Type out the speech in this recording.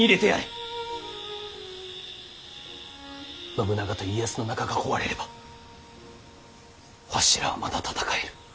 信長と家康の仲が壊れればわしらはまだ戦える。